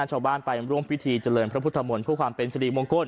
ชาวบ้านไปร่วมพิธีเจริญพระพุทธมนต์เพื่อความเป็นสิริมงคล